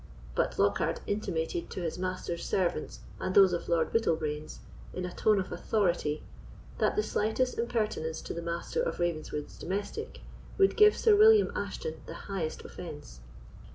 But Lockhard intimated to his master's servants and those of Lord Bittlebrains, in a tone of authority, that the slightest impertinence to the Master of Ravenswood's domestic would give Sir William Ashton the highest offence.